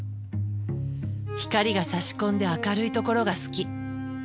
光がさし込んで明るいところが好き。